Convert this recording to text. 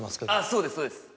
そうですそうです。